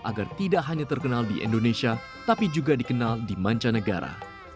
agar tidak hanya terkenal di indonesia tapi juga dikenal di mancanegara